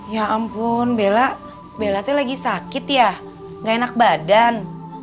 ya ampun bella bella tuh lagi sakit ya gak enak badan